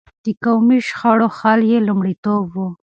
د قومي شخړو حل يې لومړيتوب و.